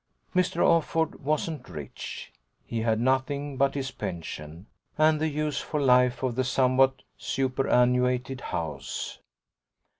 Mr. Offord wasn't rich; he had nothing but his pension and the use for life of the somewhat superannuated house.